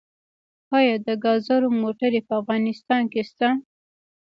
آیا د ګازو موټرې په افغانستان کې شته؟